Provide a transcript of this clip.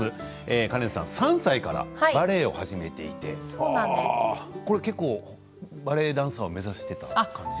カレンさん３歳からバレエを始めていて結構バレエダンサーを目指していた感じ？